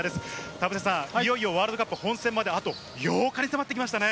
田臥さん、いよいよワールドカップ本戦まであと８日に迫ってきましたね。